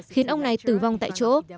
chiến ông này tử vong tại chỗ